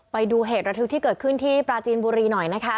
ไปดูเหตุระทึกที่เกิดขึ้นที่ปราจีนบุรีหน่อยนะคะ